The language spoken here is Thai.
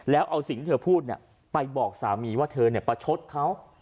แล้วเอาสิ่งที่เธอพูดไปบอกสามีว่าเธอประชดเขา